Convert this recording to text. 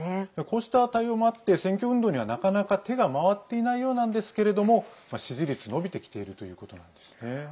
こうした対応もあって選挙運動にはなかなか手が回っていないようなんですけれども支持率伸びてきているということなんですね。